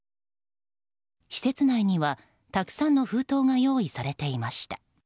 施設内にはたくさんの封筒が用意されていました。